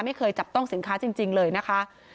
ไม่เคยจับต้องสินค้าจริงเลยนะคะ